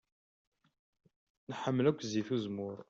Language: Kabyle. Nḥemmel akk zzit n uzemmur.